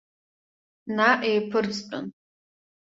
Наҟ еиԥырҵтәын.